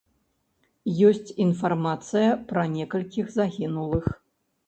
Ёсць інфармацыя пра некалькіх загінулых.